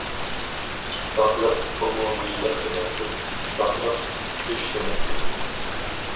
ئىتتىپاقلىق ئومۇمىيلىق دېمەكتۇر، ئىتتىپاقلىق كۈچ دېمەكتۇر.